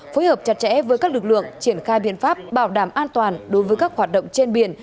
phối hợp chặt chẽ với các lực lượng triển khai biện pháp bảo đảm an toàn đối với các hoạt động trên biển